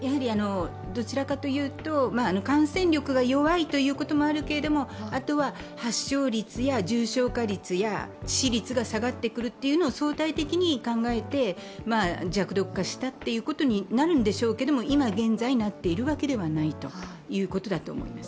どちらかというと感染力が弱いということもあるけれども、あとは発症率や重症化率や致死率が下がってくるというのを相対的に考えて弱毒化したことになるんでしょうけれども、今現在、なっているわけではないということだと思います。